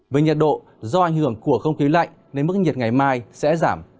về nhiệt độ do ảnh hưởng của không khí lạnh nên mức nhiệt ngày mai sẽ giảm